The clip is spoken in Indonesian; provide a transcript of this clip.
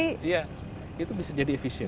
itu bisa jadi efisien